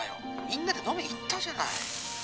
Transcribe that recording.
みんなで飲み行ったじゃない。